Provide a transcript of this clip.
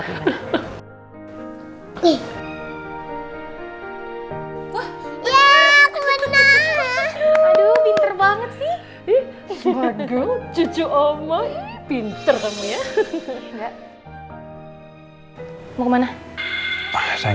hai adam pinter banget sih epa google cucu oma itu pintar ya mau mana pygin kan